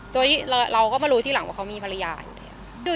โดยที่เราก็มารู้ทีหลังว่าเขามีภรรยาอยู่แล้ว